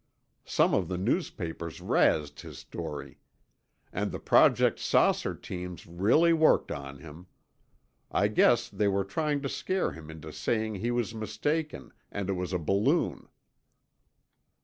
Some of the newspapers razzed his story. And the Project 'Saucer' teams really worked on him. I guess they were trying to scare him into saying he was mistaken, and it was a balloon."